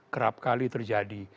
kerap kali terjadi